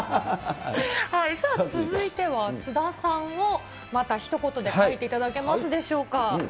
続いては菅田さんをまたひと言で書いていただけますでしょうか。